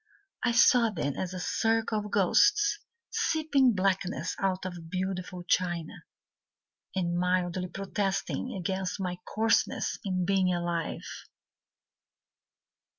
I saw them as a circle of ghosts Sipping blackness out of beautiful china, And mildly protesting against my coarseness In being alive.